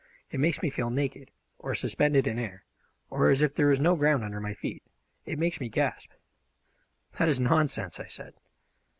It makes me feel naked, or suspended in air, or as if there was no ground under my feet. It makes me gasp!" "That is nonsense!" I said.